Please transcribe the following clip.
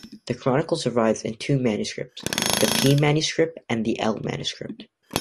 The chronicle survives in two manuscripts: The P manuscript and the L manuscript.